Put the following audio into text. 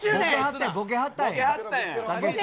ボケはったんや。